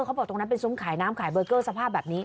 เขาบอกตรงนั้นเป็นซุ้มขายน้ำขายเบอร์เกอร์สภาพแบบนี้